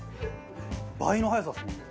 倍の速さですね。